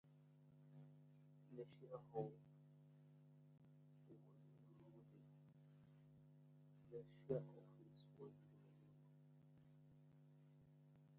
The shire office was in Murrurundi.